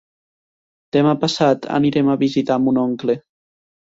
Demà passat anirem a visitar mon oncle.